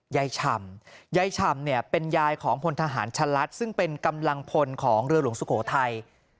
ฉ่ำยายฉ่ำเนี่ยเป็นยายของพลทหารชะลัดซึ่งเป็นกำลังพลของเรือหลวงสุโขทัย